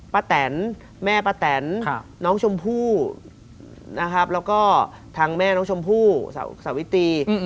ป้าแตนแม่ป้าแตนค่ะน้องชมพู่นะครับแล้วก็ทางแม่น้องชมพู่สาวสาววิธีอืม